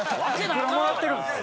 いくらもらってるんですか。